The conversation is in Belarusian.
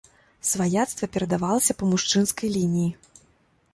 Сваяцтва перадавалася па мужчынскай лініі.